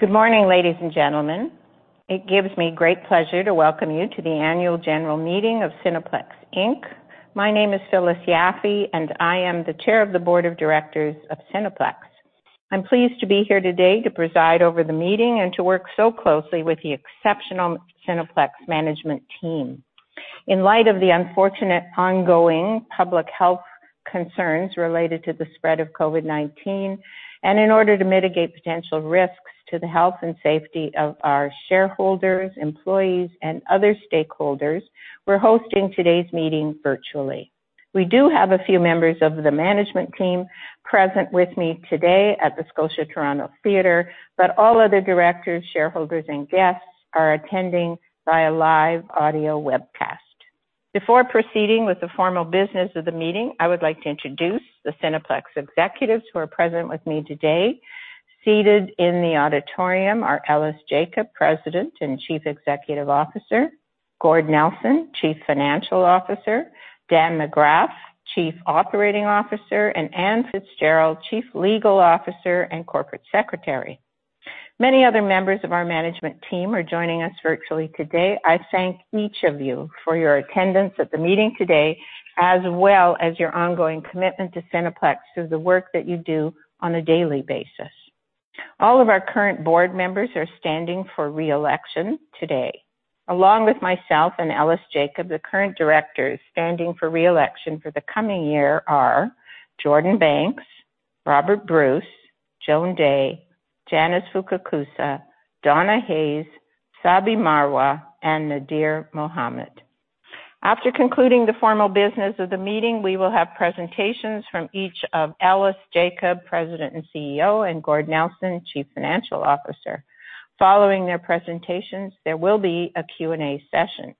Good morning, ladies and gentlemen. It gives me great pleasure to welcome you to the annual general meeting of Cineplex Inc. My name is Phyllis Yaffe, and I am the Chair of the Board of Directors of Cineplex. I'm pleased to be here today to preside over the meeting and to work so closely with the exceptional Cineplex management team. In light of the unfortunate ongoing public health concerns related to the spread of COVID-19, and in order to mitigate potential risks to the health and safety of our shareholders, employees, and other stakeholders, we're hosting today's meeting virtually. We do have a few members of the management team present with me today at the Scotiabank Theatre Toronto, but all other directors, shareholders, and guests are attending via live audio webcast. Before proceeding with the formal business of the meeting, I would like to introduce the Cineplex executives who are present with me today. Seated in the auditorium are Ellis Jacob, President and Chief Executive Officer, Gord Nelson, Chief Financial Officer, Dan McGrath, Chief Operating Officer, and Anne Fitzgerald, Chief Legal Officer and Corporate Secretary. Many other members of our management team are joining us virtually today. I thank each of you for your attendance at the meeting today, as well as your ongoing commitment to Cineplex through the work that you do on a daily basis. All of our current Board members are standing for re-election today. Along with myself and Ellis Jacob, the current directors standing for re-election for the coming year are Jordan Banks, Robert Bruce, Joan Dea, Janice Fukakusa, Donna Hayes, Sarabjit Marwah, and Nadir Mohamed. After concluding the formal business of the meeting, we will have presentations from each of Ellis Jacob, President and CEO, and Gord Nelson, Chief Financial Officer. Following their presentations, there will be a Q&A session.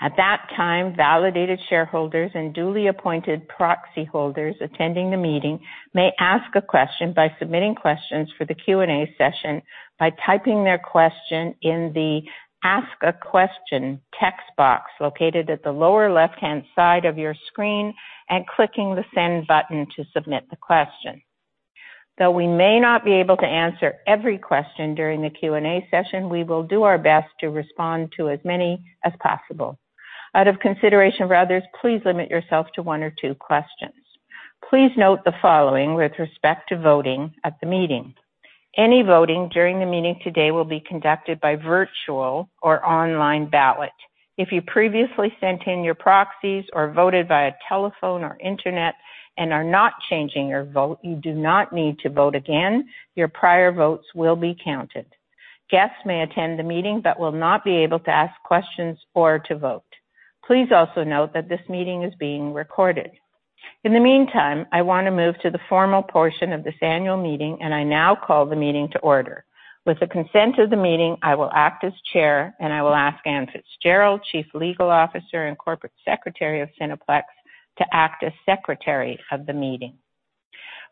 At that time, validated shareholders and duly appointed proxy holders attending the meeting may ask a question by submitting questions for the Q&A session by typing their question in the Ask a Question text box located at the lower left-hand side of your screen and clicking the Send button to submit the question. Though we may not be able to answer every question during the Q&A session, we will do our best to respond to as many as possible. Out of consideration for others, please limit yourself to one or two questions. Please note the following with respect to voting at the meeting. Any voting during the meeting today will be conducted by virtual or online ballot. If you previously sent in your proxies or voted via telephone or internet and are not changing your vote, you do not need to vote again. Your prior votes will be counted. Guests may attend the meeting but will not be able to ask questions or to vote. Please also note that this meeting is being recorded. In the meantime, I want to move to the formal portion of this annual meeting, and I now call the meeting to order. With the consent of the meeting, I will act as Chair, and I will ask Anne Fitzgerald, Chief Legal Officer and Corporate Secretary of Cineplex, to act as Secretary of the meeting.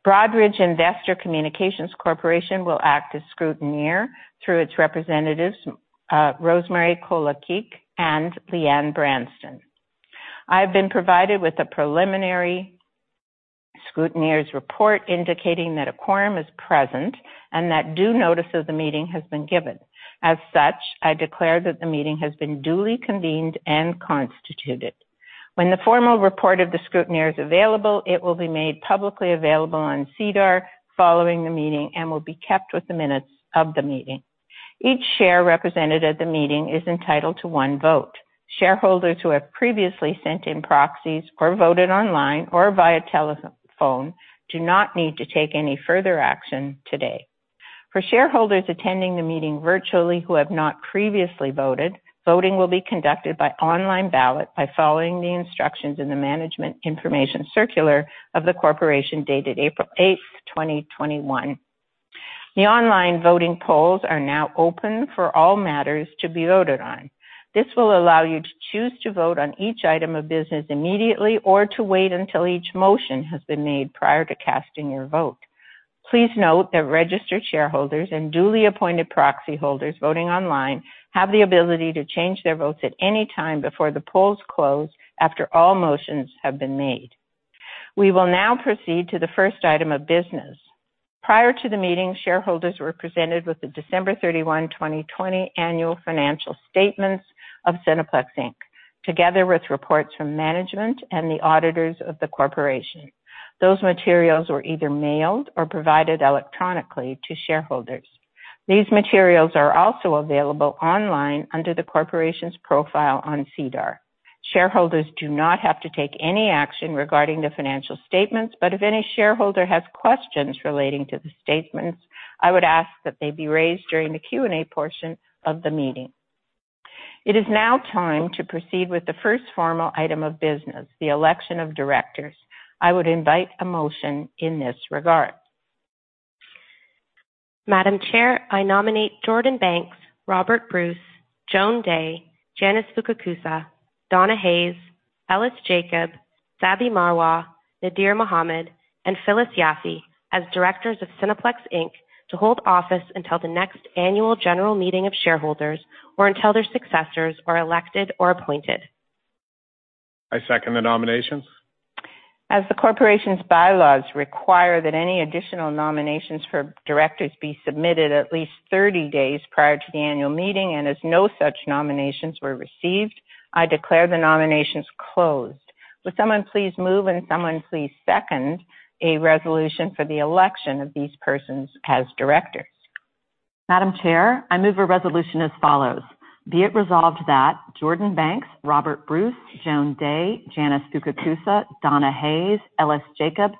Broadridge Financial Solutions, Inc. will act as scrutineer through its representatives, Rosemary Kolakick and Leanne Branson. I've been provided with a preliminary scrutineer's report indicating that a quorum is present and that due notice of the meeting has been given. As such, I declare that the meeting has been duly convened and constituted. When the formal report of the scrutineer is available, it will be made publicly available on SEDAR following the meeting and will be kept with the minutes of the meeting. Each share represented at the meeting is entitled to one vote. Shareholders who have previously sent in proxies or voted online or via telephone do not need to take any further action today. For shareholders attending the meeting virtually who have not previously voted, voting will be conducted by online ballot by following the instructions in the Management Information Circular of the corporation dated April 8th, 2021. The online voting polls are now open for all matters to be voted on. This will allow you to choose to vote on each item of business immediately or to wait until each motion has been made prior to casting your vote. Please note that registered shareholders and duly appointed proxy holders voting online have the ability to change their votes at any time before the polls close after all motions have been made. We will now proceed to the first item of business. Prior to the meeting, shareholders were presented with the December 31, 2020, annual financial statements of Cineplex Inc. together with reports from management and the auditors of the corporation. Those materials were either mailed or provided electronically to shareholders. These materials are also available online under the corporation's profile on SEDAR. Shareholders do not have to take any action regarding the financial statements, but if any shareholder has questions relating to the statements, I would ask that they be raised during the Q&A portion of the meeting. It is now time to proceed with the first formal item of business, the election of directors. I would invite a motion in this regard. Madam Chair, I nominate Jordan Banks, Robert Bruce, Joan Dea, Janice Fukakusa, Donna Hayes, Ellis Jacob, Sarabjit Marwah, Nadir Mohamed, and Phyllis Yaffe as directors of Cineplex Inc. to hold office until the next annual general meeting of shareholders or until their successors are elected or appointed. I second the nominations. As the corporation's bylaws require that any additional nominations for Directors be submitted at least 30 days prior to the annual meeting, and as no such nominations were received, I declare the nominations closed. Would someone please move, and someone please second a resolution for the election of these persons as Directors? Madam Chair, I move a resolution as follows. Be it resolved that Jordan Banks, Robert Bruce, Joan Dea, Janice Fukakusa, Donna Hayes, Ellis Jacob,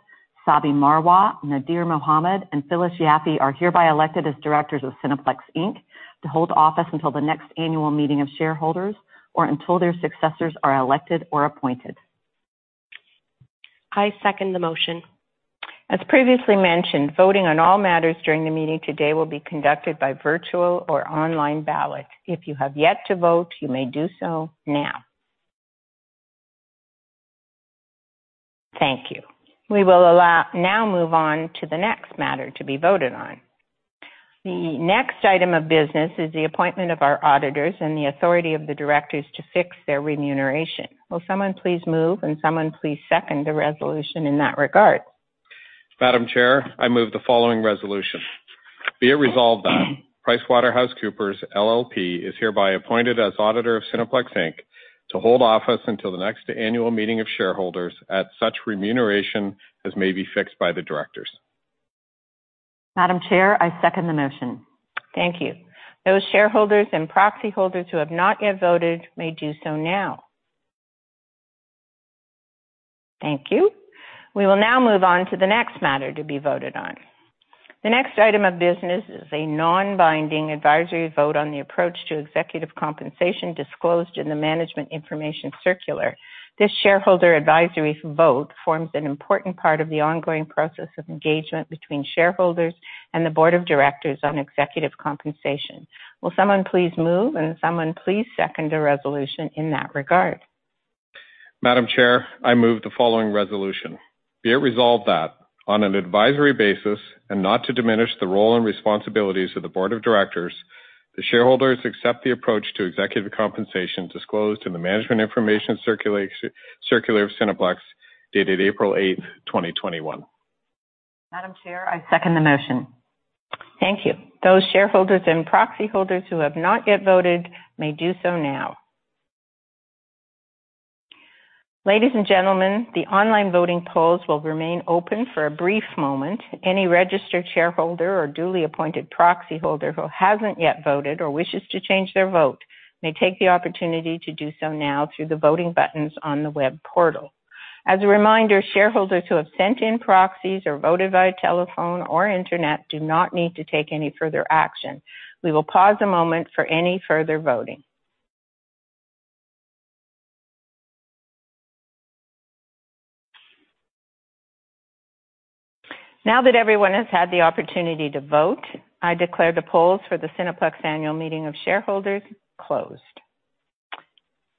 Sarabjit Marwah, Nadir Mohamed, and Phyllis Yaffe are hereby elected as Directors of Cineplex Inc. to hold office until the next annual meeting of shareholders or until their successors are elected or appointed. I second the motion. As previously mentioned, voting on all matters during the meeting today will be conducted by virtual or online ballot. If you have yet to vote, you may do so now. Thank you. We will now move on to the next matter to be voted on. The next item of business is the appointment of our auditors and the authority of the Directors to fix their remuneration. Will someone please move, and someone please second a resolution in that regard? Madam Chair, I move the following resolution. Be it resolved that PricewaterhouseCoopers LLP is hereby appointed as auditor of Cineplex Inc. to hold office until the next annual meeting of shareholders at such remuneration as may be fixed by the directors. Madam Chair, I second the motion. Thank you. Those shareholders and proxy holders who have not yet voted may do so now. Thank you. We will now move on to the next matter to be voted on. The next item of business is a non-binding advisory vote on the approach to executive compensation disclosed in the Management Information Circular. This shareholder advisory vote forms an important part of the ongoing process of engagement between shareholders and the Board of Directors on executive compensation. Will someone please move, and someone please second a resolution in that regard? Madam Chair, I move the following resolution. Be it resolved that on an advisory basis and not to diminish the role and responsibilities of the Board of Directors, the shareholders accept the approach to executive compensation disclosed in the Management Information Circular of Cineplex dated April 8th, 2021. Madam Chair, I second the motion. Thank you. Those shareholders and proxy holders who have not yet voted may do so now. Ladies and gentlemen, the online voting polls will remain open for a brief moment. Any registered shareholder or duly appointed proxy holder who hasn't yet voted or wishes to change their vote may take the opportunity to do so now through the voting buttons on the web portal. As a reminder, shareholders who have sent in proxies or voted via telephone or internet do not need to take any further action. We will pause a moment for any further voting. Now that everyone has had the opportunity to vote, I declare the polls for the Cineplex Annual Meeting of Shareholders closed.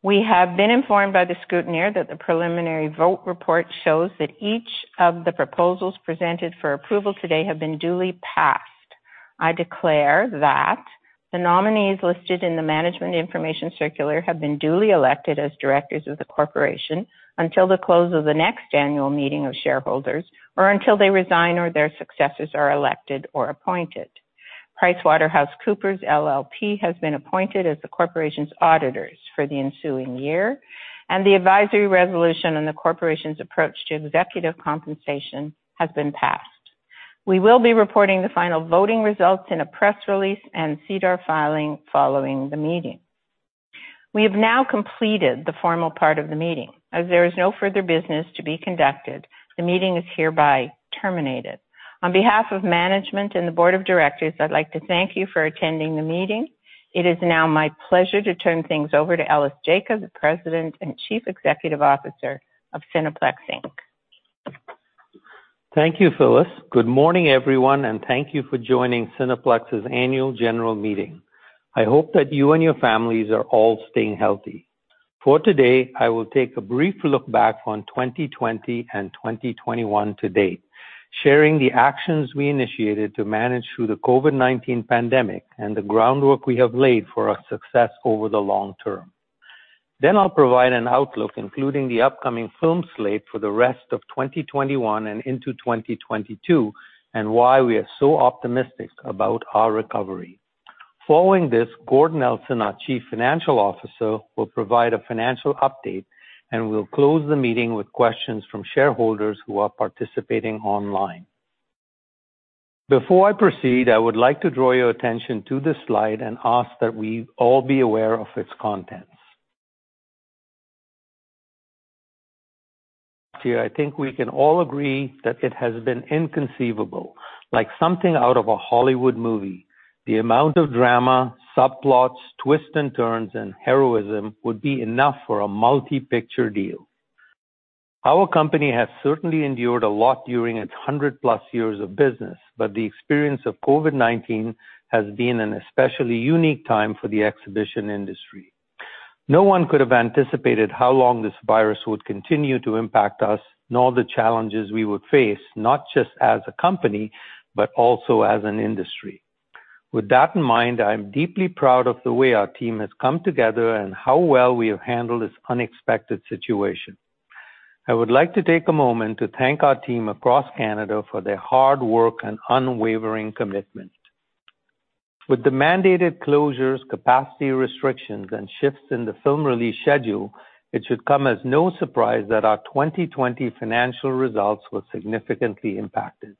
We have been informed by the scrutineer that the preliminary vote report shows that each of the proposals presented for approval today have been duly passed. I declare that the nominees listed in the Management Information Circular have been duly elected as Directors of the corporation until the close of the next annual meeting of shareholders or until they resign or their successors are elected or appointed. PricewaterhouseCoopers LLP has been appointed as the corporation's auditors for the ensuing year and the advisory resolution on the corporation's approach to executive compensation has been passed. We will be reporting the final voting results in a press release and SEDAR filing following the meeting. We have now completed the formal part of the meeting. As there is no further business to be conducted, the meeting is hereby terminated. On behalf of management and the Board of Directors, I'd like to thank you for attending the meeting. It is now my pleasure to turn things over to Ellis Jacob, President and Chief Executive Officer of Cineplex Inc. Thank you, Phyllis. Good morning, everyone, and thank you for joining Cineplex's annual general meeting. I hope that you and your families are all staying healthy. For today, I will take a brief look back on 2020 and 2021 to date, sharing the actions we initiated to manage through the COVID-19 pandemic and the groundwork we have laid for our success over the long term. I'll provide an outlook, including the upcoming film slate for the rest of 2021 and into 2022 and why we are so optimistic about our recovery. Following this, Gord Nelson, our Chief Financial Officer, will provide a financial update, and we'll close the meeting with questions from shareholders who are participating online. Before I proceed, I would like to draw your attention to this slide and ask that we all be aware of its contents. I think we can all agree that it has been inconceivable, like something out of a Hollywood movie. The amount of drama, subplots, twists and turns, and heroism would be enough for a multi-picture deal. Our company has certainly endured a lot during its 100+ years of business, but the experience of COVID-19 has been an especially unique time for the exhibition industry. No one could have anticipated how long this virus would continue to impact us, nor the challenges we would face, not just as a company, but also as an industry. With that in mind, I'm deeply proud of the way our team has come together and how well we have handled this unexpected situation. I would like to take a moment to thank our team across Canada for their hard work and unwavering commitment. With the mandated closures, capacity restrictions, and shifts in the film release schedule, it should come as no surprise that our 2020 financial results were significantly impacted.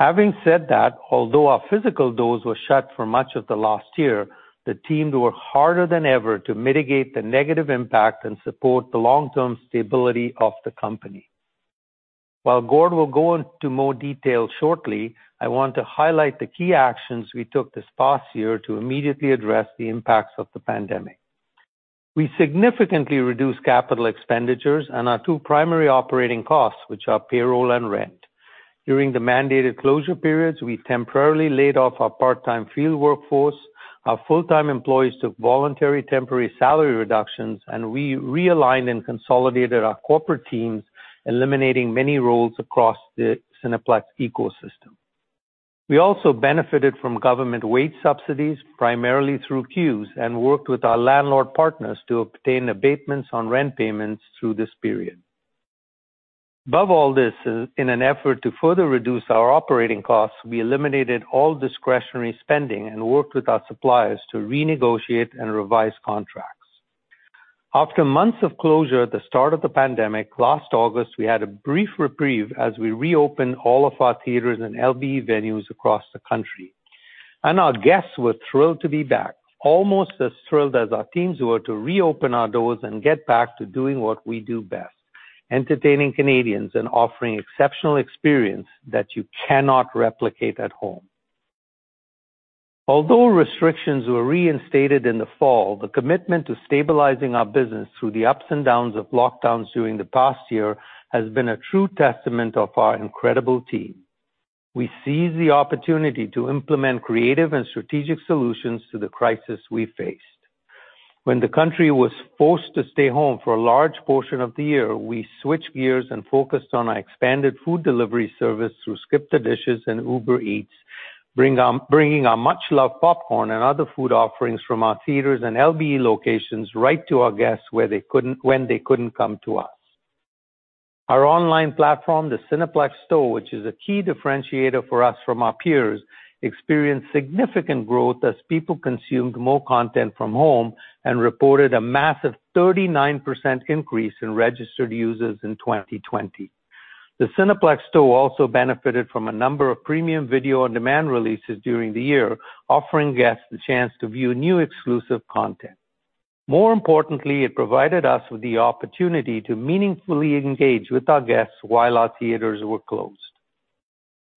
Having said that, although our physical doors were shut for much of the last year, the team worked harder than ever to mitigate the negative impact and support the long-term stability of the company. While Gord will go into more detail shortly, I want to highlight the key actions we took this past year to immediately address the impacts of the pandemic. We significantly reduced capital expenditures and our two primary operating costs, which are payroll and rent. During the mandated closure periods, we temporarily laid off our part-time field workforce, our full-time employees took voluntary temporary salary reductions, and we realigned and consolidated our corporate teams, eliminating many roles across the Cineplex ecosystem. We also benefited from government wage subsidies, primarily through CEWS, and worked with our landlord partners to obtain abatements on rent payments through this period. Above all this, in an effort to further reduce our operating costs, we eliminated all discretionary spending and worked with our suppliers to renegotiate and revise contracts. After months of closure at the start of the pandemic, last August, we had a brief reprieve as we reopened all of our theaters and LBE venues across the country. Our guests were thrilled to be back, almost as thrilled as our teams were to reopen our doors and get back to doing what we do best, entertaining Canadians and offering exceptional experience that you cannot replicate at home. Although restrictions were reinstated in the fall, the commitment to stabilizing our business through the ups and downs of lockdowns during the past year has been a true testament of our incredible team. We seized the opportunity to implement creative and strategic solutions to the crisis we faced. When the country was forced to stay home for a large portion of the year, we switched gears and focused on our expanded food delivery service through SkipTheDishes and Uber Eats, bringing our much-loved popcorn and other food offerings from our theaters and LBE locations right to our guests when they couldn't come to us. Our online platform, the Cineplex Store, which is a key differentiator for us from our peers, experienced significant growth as people consumed more content from home and reported a massive 39% increase in registered users in 2020. The Cineplex Store also benefited from a number of premium video-on-demand releases during the year, offering guests the chance to view new exclusive content. More importantly, it provided us with the opportunity to meaningfully engage with our guests while our theaters were closed.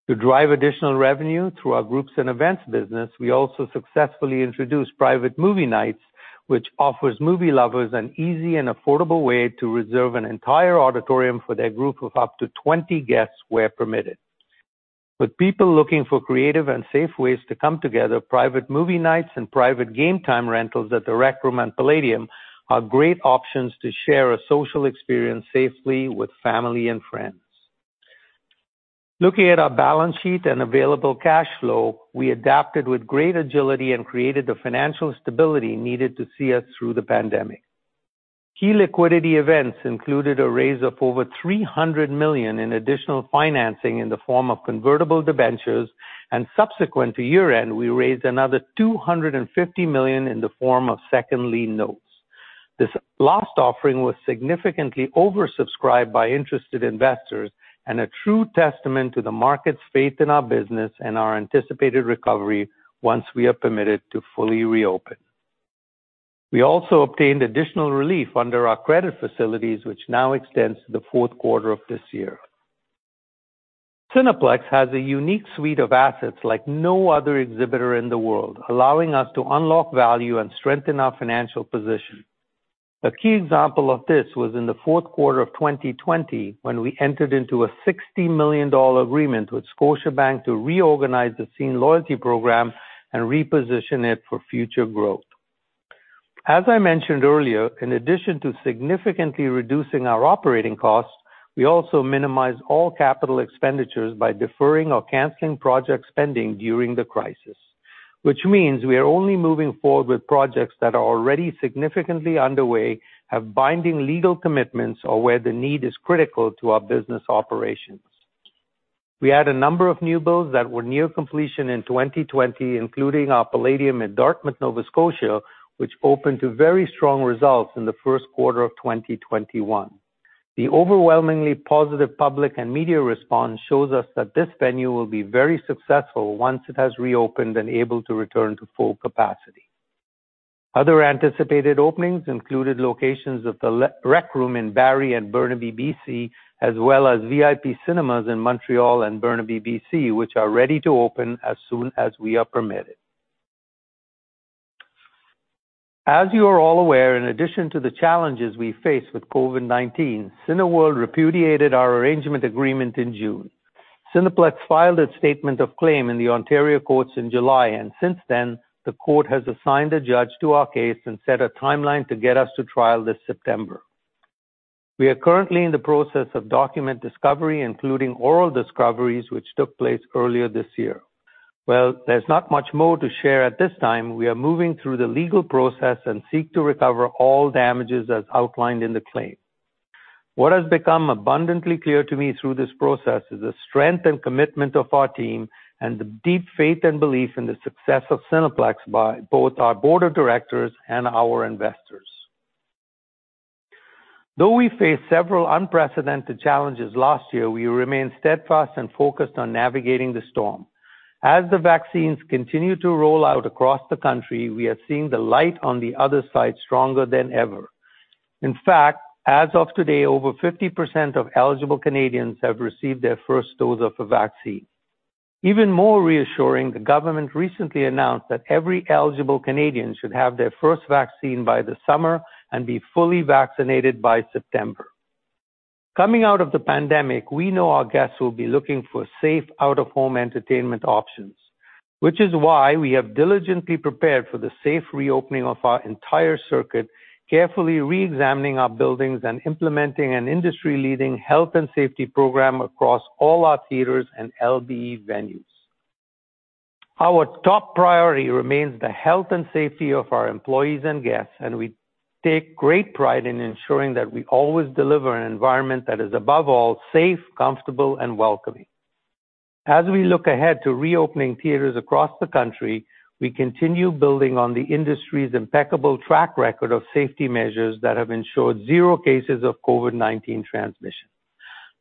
To drive additional revenue through our groups and events business, we also successfully introduced private movie nights, which offers movie lovers an easy and affordable way to reserve an entire auditorium for their group of up to 20 guests where permitted. With people looking for creative and safe ways to come together, private movie nights and private game time rentals at The Rec Room and Playdium are great options to share a social experience safely with family and friends. Looking at our balance sheet and available cash flow, we adapted with great agility and created the financial stability needed to see us through the pandemic. Key liquidity events included a raise of over 300 million in additional financing in the form of convertible debentures, and subsequent to year-end, we raised another 250 million in the form of second lien notes. This last offering was significantly oversubscribed by interested investors and a true testament to the market's faith in our business and our anticipated recovery once we are permitted to fully reopen. We also obtained additional relief under our credit facilities, which now extends to the fourth quarter of this year. Cineplex has a unique suite of assets like no other exhibitor in the world, allowing us to unlock value and strengthen our financial position. A key example of this was in the fourth quarter of 2020 when we entered into a 60 million dollar agreement with Scotiabank to reorganize the Scene loyalty program and reposition it for future growth. As I mentioned earlier, in addition to significantly reducing our operating costs, we also minimized all capital expenditures by deferring or canceling project spending during the crisis, which means we are only moving forward with projects that are already significantly underway, have binding legal commitments, or where the need is critical to our business operations. We had a number of new builds that were near completion in 2020, including our Playdium in Dartmouth, Nova Scotia, which opened to very strong results in the first quarter of 2021. The overwhelmingly positive public and media response shows us that this venue will be very successful once it has reopened and able to return to full capacity. Other anticipated openings included locations of The Rec Room in Barrie and Burnaby, B.C., as well as VIP Cinemas in Montreal and Burnaby, B.C., which are ready to open as soon as we are permitted. As you are all aware, in addition to the challenges we faced with COVID-19, Cineworld repudiated our arrangement agreement in June. Cineplex filed its statement of claim in the Ontario courts in July. Since then, the court has assigned a judge to our case and set a timeline to get us to trial this September. We are currently in the process of document discovery, including oral discoveries, which took place earlier this year. Well, there's not much more to share at this time. We are moving through the legal process and seek to recover all damages as outlined in the claim. What has become abundantly clear to me through this process is the strength and commitment of our team and the deep faith and belief in the success of Cineplex by both our Board of Directors and our investors. Though we faced several unprecedented challenges last year, we remain steadfast and focused on navigating the storm. As the vaccines continue to roll out across the country, we are seeing the light on the other side stronger than ever. In fact, as of today, over 50% of eligible Canadians have received their first dose of the vaccine. Even more reassuring, the government recently announced that every eligible Canadian should have their first vaccine by the summer and be fully vaccinated by September. Coming out of the pandemic, we know our guests will be looking for safe out-of-home entertainment options, which is why we have diligently prepared for the safe reopening of our entire circuit, carefully re-examining our buildings and implementing an industry-leading health and safety program across all our theaters and LBE venues. Our top priority remains the health and safety of our employees and guests, and we take great pride in ensuring that we always deliver an environment that is, above all, safe, comfortable, and welcoming. As we look ahead to reopening theaters across the country, we continue building on the industry's impeccable track record of safety measures that have ensured zero cases of COVID-19 transmission.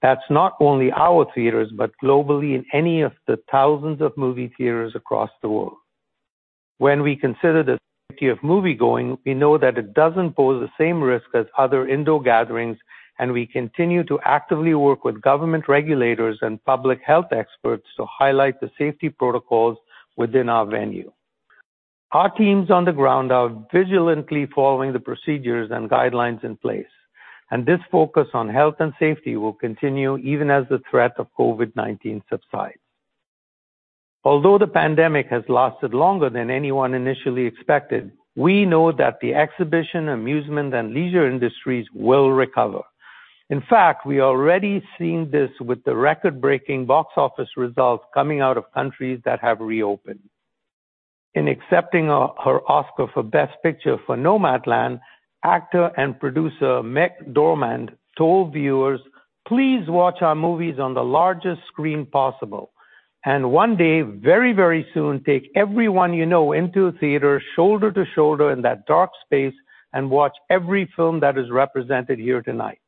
That's not only our theaters, but globally in any of the thousands of movie theaters across the world. When we consider the safety of moviegoing, we know that it doesn't pose the same risk as other indoor gatherings, and we continue to actively work with government regulators and public health experts to highlight the safety protocols within our venue. Our teams on the ground are vigilantly following the procedures and guidelines in place, and this focus on health and safety will continue even as the threat of COVID-19 subsides. Although the pandemic has lasted longer than anyone initially expected, we know that the exhibition, amusement, and leisure industries will recover. In fact, we're already seeing this with the record-breaking box office results coming out of countries that have reopened. In accepting her Oscar for Best Picture for "Nomadland," actor and producer McDormand told viewers, "Please watch our movies on the largest screen possible. One day very, very soon, take everyone you know into a theater, shoulder to shoulder in that dark space, and watch every film that is represented here tonight.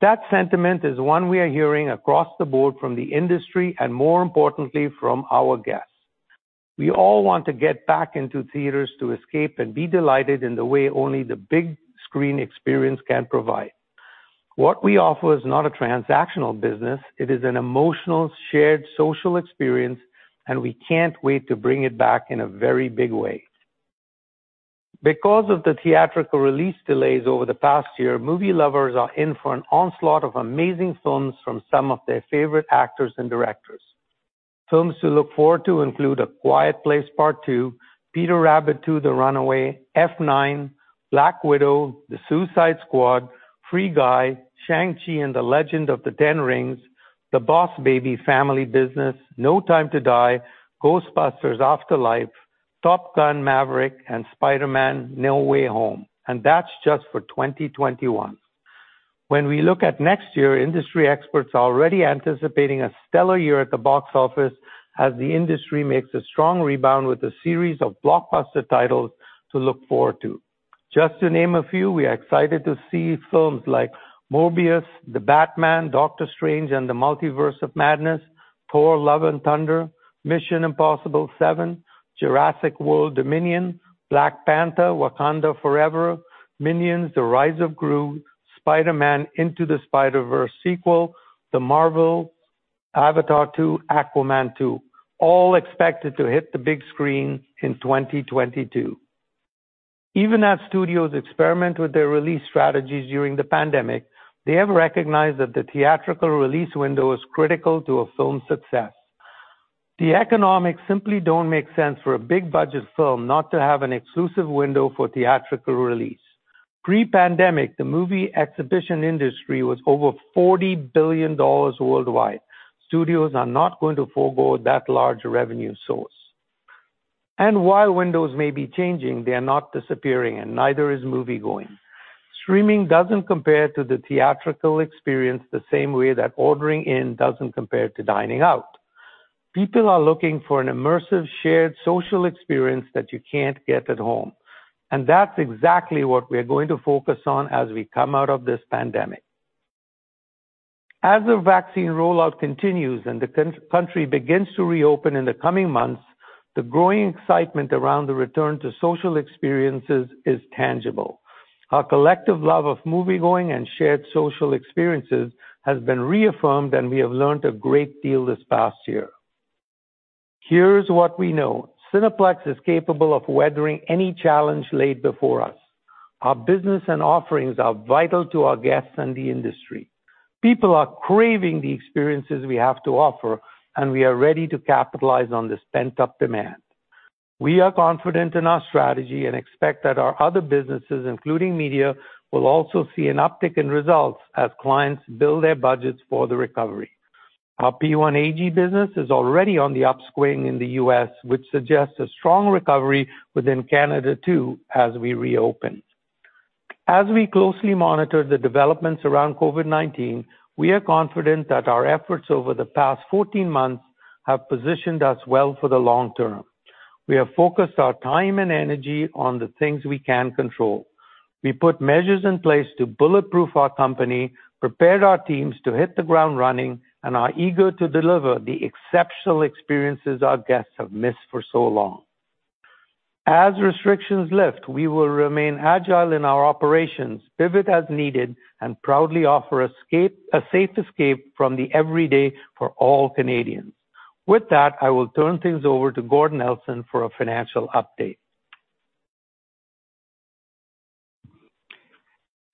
That sentiment is one we are hearing across the Board from the industry and, more importantly, from our guests. We all want to get back into theaters to escape and be delighted in the way only the big screen experience can provide. What we offer is not a transactional business. It is an emotional, shared social experience, and we can't wait to bring it back in a very big way. Because of the theatrical release delays over the past year, movie lovers are in for an onslaught of amazing films from some of their favorite actors and directors. Films to look forward to include "A Quiet Place Part II," "Peter Rabbit 2: The Runaway," "F9," "Black Widow," "The Suicide Squad," "Free Guy," "Shang-Chi and the Legend of the Ten Rings," "The Boss Baby: Family Business," "No Time to Die," "Ghostbusters: Afterlife," "Top Gun: Maverick," and "Spider-Man: No Way Home." That's just for 2021. When we look at next year, industry experts are already anticipating a stellar year at the box office as the industry makes a strong rebound with a series of blockbuster titles to look forward to. Just to name a few, we are excited to see films like "Morbius," "The Batman," "Doctor Strange in the Multiverse of Madness," "Thor: Love and Thunder," "Mission: Impossible – Dead Reckoning Part One," "Jurassic World Dominion," "Black Panther: Wakanda Forever," "Minions: The Rise of Gru," "Spider-Man: Across the Spider-Verse," The Marvel, "Avatar: The Way of Water," "Aquaman and the Lost Kingdom," all expected to hit the big screen in 2022. Even as studios experiment with their release strategies during the pandemic, they have recognized that the theatrical release window is critical to a film's success. The economics simply don't make sense for a big-budget film not to have an exclusive window for theatrical release. Pre-pandemic, the movie exhibition industry was over 40 billion dollars worldwide. Studios are not going to forego that large a revenue source. While windows may be changing, they are not disappearing, and neither is moviegoing. Streaming doesn't compare to the theatrical experience the same way that ordering in doesn't compare to dining out. People are looking for an immersive, shared social experience that you can't get at home, and that's exactly what we're going to focus on as we come out of this pandemic. As the vaccine rollout continues and the country begins to reopen in the coming months, the growing excitement around the return to social experiences is tangible. Our collective love of moviegoing and shared social experiences has been reaffirmed, and we have learned a great deal this past year. Here's what we know: Cineplex is capable of weathering any challenge laid before us. Our business and offerings are vital to our guests and the industry. People are craving the experiences we have to offer, and we are ready to capitalize on this pent-up demand. We are confident in our strategy and expect that our other businesses, including media, will also see an uptick in results as clients build their budgets for the recovery. Our P1AG business is already on the upswing in the U.S., which suggests a strong recovery within Canada, too, as we reopen. As we closely monitor the developments around COVID-19, we are confident that our efforts over the past 14 months have positioned us well for the long term. We have focused our time and energy on the things we can control. We put measures in place to bulletproof our company, prepared our teams to hit the ground running, and are eager to deliver the exceptional experiences our guests have missed for so long. As restrictions lift, we will remain agile in our operations, pivot as needed, and proudly offer a safe escape from the everyday for all Canadians. With that, I will turn things over to Gord Nelson for a financial update.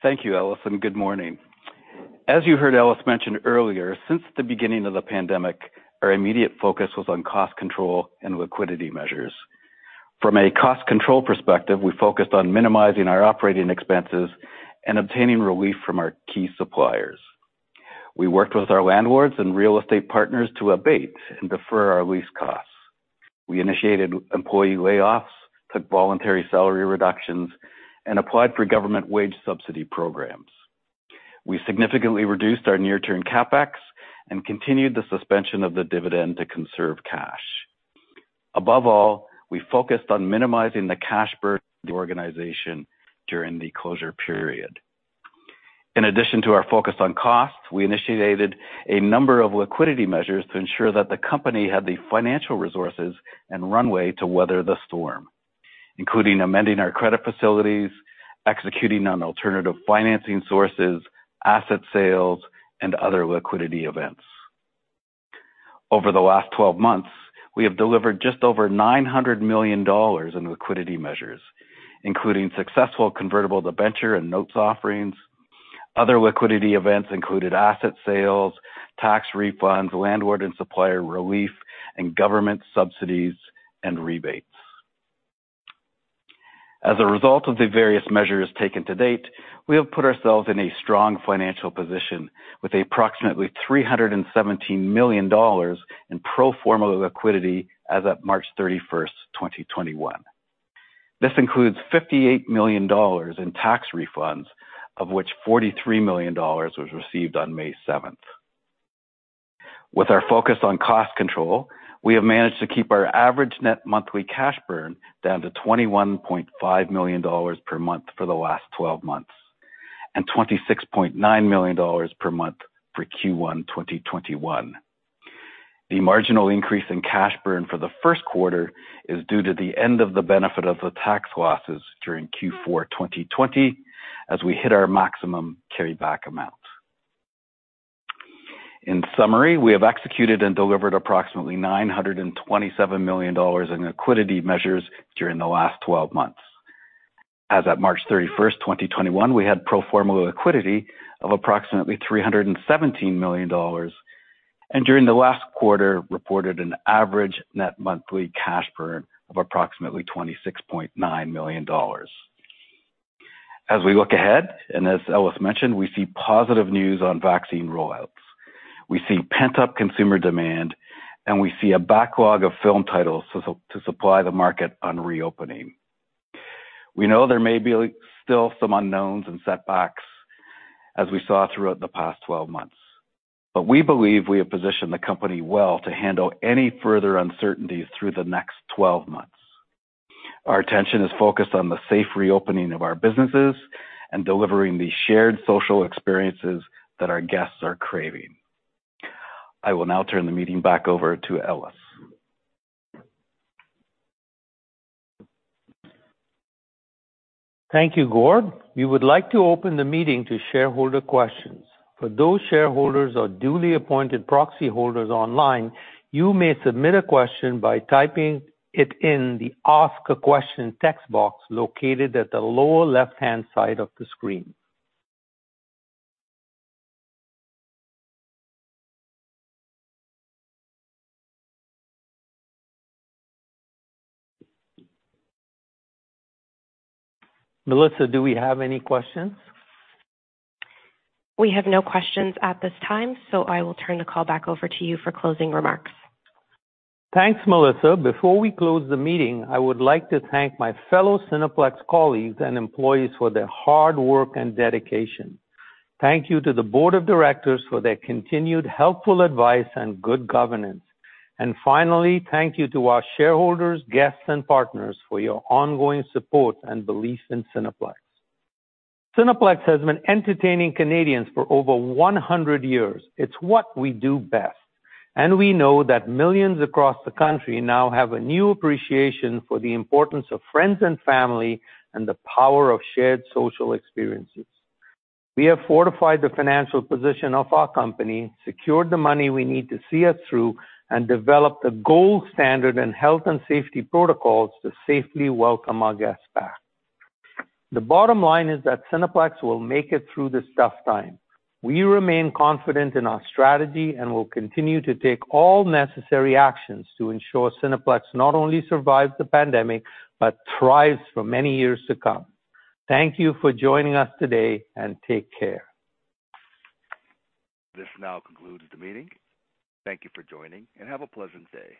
Thank you, Ellis, and good morning. As you heard Ellis mention earlier, since the beginning of the pandemic, our immediate focus was on cost control and liquidity measures. From a cost control perspective, we focused on minimizing our operating expenses and obtaining relief from our key suppliers. We worked with our landlords and real estate partners to abate and defer our lease costs. We initiated employee layoffs, took voluntary salary reductions, and applied for government wage subsidy programs. We significantly reduced our near-term CapEx and continued the suspension of the dividend to conserve cash. Above all, we focused on minimizing the cash burn of the organization during the closure period. In addition to our focus on costs, we initiated a number of liquidity measures to ensure that the company had the financial resources and runway to weather the storm, including amending our credit facilities, executing on alternative financing sources, asset sales, and other liquidity events. Over the last 12 months, we have delivered just over 900 million dollars in liquidity measures, including successful convertible debenture and notes offerings. Other liquidity events included asset sales, tax refunds, landlord and supplier relief, and government subsidies and rebates. As a result of the various measures taken to date, we have put ourselves in a strong financial position with approximately 317 million dollars in pro forma liquidity as at March 31, 2021. This includes 58 million dollars in tax refunds, of which 43 million dollars was received on May 7. With our focus on cost control, we have managed to keep our average net monthly cash burn down to 21.5 million dollars per month for the last 12 months, and 26.9 million dollars per month for Q1 2021. The marginal increase in cash burn for the first quarter is due to the end of the benefit of the tax losses during Q4 2020 as we hit our maximum carryback amount. In summary, we have executed and delivered approximately 927 million dollars in liquidity measures during the last 12 months. As at March 31st, 2021, we had pro forma liquidity of approximately 317 million dollars, and during the last quarter, reported an average net monthly cash burn of approximately 26.9 million dollars. As we look ahead, and as Ellis mentioned, we see positive news on vaccine roll-outs. We see pent-up consumer demand, and we see a backlog of film titles to supply the market on reopening. We know there may be still some unknowns and setbacks, as we saw throughout the past 12 months. We believe we have positioned the company well to handle any further uncertainties through the next 12 months. Our attention is focused on the safe reopening of our businesses and delivering the shared social experiences that our guests are craving. I will now turn the meeting back over to Ellis. Thank you, Gord. We would like to open the meeting to shareholder questions. For those shareholders or duly appointed proxy holders online, you may submit a question by typing it in the Ask a Question text box located at the lower left-hand side of the screen. Melissa, do we have any questions? We have no questions at this time. I will turn the call back over to you for closing remarks. Thanks, Melissa. Before we close the meeting, I would like to thank my fellow Cineplex colleagues and employees for their hard work and dedication. Thank you to the Board of Directors for their continued helpful advice and good governance. Finally, thank you to our shareholders, guests, and partners for your ongoing support and belief in Cineplex. Cineplex has been entertaining Canadians for over 100 years. It's what we do best, and we know that millions across the country now have a new appreciation for the importance of friends and family and the power of shared social experiences. We have fortified the financial position of our company, secured the money we need to see us through, and developed the gold standard in health and safety protocols to safely welcome our guests back. The bottom line is that Cineplex will make it through this tough time. We remain confident in our strategy and will continue to take all necessary actions to ensure Cineplex not only survives the pandemic but thrives for many years to come. Thank you for joining us today, and take care. This now concludes the meeting. Thank you for joining, and have a pleasant day.